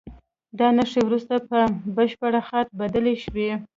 دا نښې وروسته په بشپړ خط بدلې شوې.